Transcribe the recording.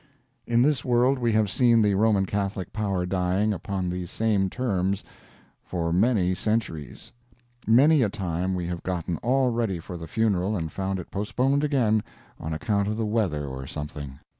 In this world we have seen the Roman Catholic power dying, upon these same terms, for many centuries. Many a time we have gotten all ready for the funeral and found it postponed again, on account of the weather or something.